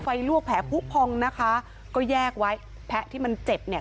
ลวกแผลผู้พองนะคะก็แยกไว้แผลที่มันเจ็บเนี่ย